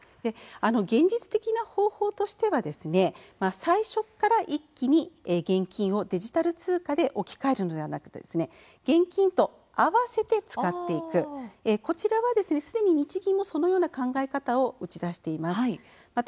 現実的な方法としては最初から一気に現金をデジタル通貨を置き換えるのではなく併せて使っていく日銀はそのような考え方を打ち出しています。